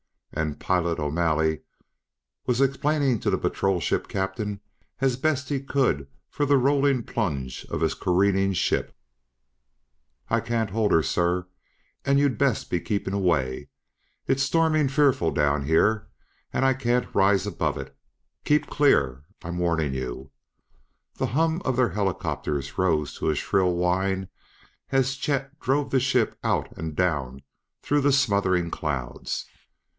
And Pilot O'Malley was explaining to the Patrol Ship Captain as best he could for the rolling plunge of the careening ship: "I can't hold her, sir. And you'd best be keepin' away. It's stormin' fearful down here, and I can't rise above it! Keep clear! I'm warnin' you!" The hum of their helicopters rose to a shrill whine as Chet drove the ship out and down through the smothering clouds.